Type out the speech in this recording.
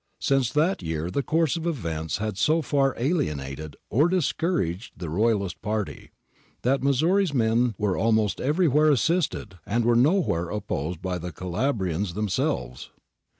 Since that year the course of events had so far alienated or discouraged the Royalist party, that Missori's men were almost everywhere assisted and were nowhere opposed by the Calabrians themselves.